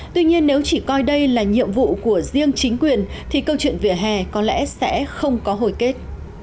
tuy nhiên nếu chỉ coi đây là nhiệm vụ của riêng chính quyền thì câu chuyện về hè có lẽ sẽ không có hồi kết